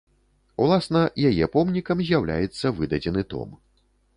Уласна, яе помнікам з'яўляецца выдадзены том.